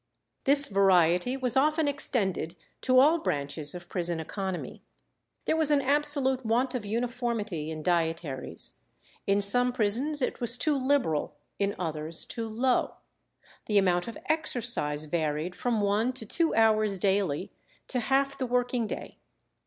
This variety was often extended to all branches of prison economy. There was an absolute want of uniformity in dietaries; in some prisons it was too liberal, in others too low. The amount of exercise varied from one or two hours daily to half the working day.